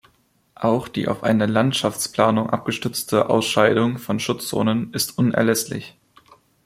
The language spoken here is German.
Auch die auf eine Landschaftsplanung abgestützte Ausscheidung von Schutzzonen ist unerlässlich.